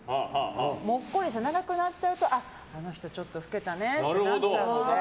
もっこりして長くなるとあの人ちょっと老けたねってなっちゃうので。